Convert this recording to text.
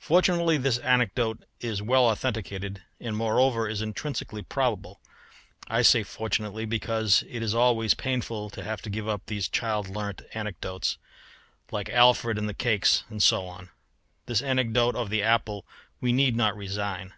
Fortunately this anecdote is well authenticated, and moreover is intrinsically probable; I say fortunately, because it is always painful to have to give up these child learnt anecdotes, like Alfred and the cakes and so on. This anecdote of the apple we need not resign.